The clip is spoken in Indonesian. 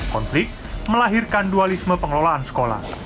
konflik melahirkan dualisme pengelolaan sekolah